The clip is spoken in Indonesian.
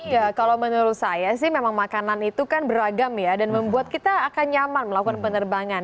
ya kalau menurut saya sih memang makanan itu kan beragam ya dan membuat kita akan nyaman melakukan penerbangan